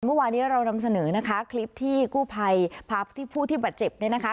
เมื่อวานี้เรานำเสนอนะคะคลิปที่กู้ภัยภาพที่ผู้ที่บาดเจ็บเนี่ยนะคะ